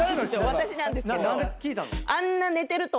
私なんですけど。